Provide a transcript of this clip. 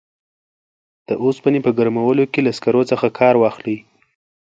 د اوسپنې په ګرمولو کې له سکرو څخه کار واخلي.